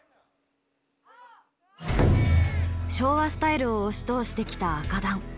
昭和スタイルを押し通してきた紅団。